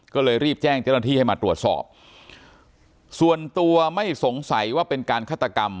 ก็เลยรีบแจ้งเจ้าหน้าที่ให้มาตรวจสอบส่วนตัวไม่สงสัยว่าเป็นการฆาตกรรม